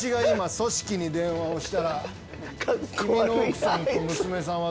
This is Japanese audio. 組織に電話をしたら君の奥さんと娘さんは